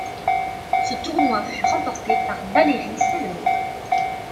Ce tournoi fut remporté par Valery Salov.